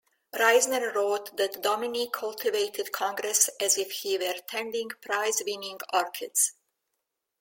Reisner wrote that Dominy cultivated Congress as if he were tending prize-winning orchids ...